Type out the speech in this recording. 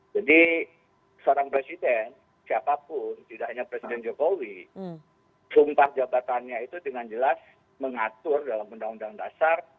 jadi seorang presiden siapapun tidak hanya presiden jokowi sumpah jabatannya itu dengan jelas mengatur dalam undang undang dasar